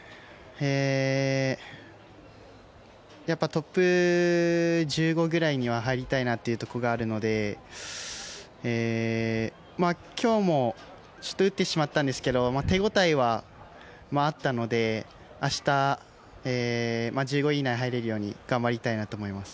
やっぱりトップ１５くらいには入りたいなというところがあるので今日も打ってしまったんですけど手応えはあったので明日、１５位以内入れるように頑張りたいなと思います。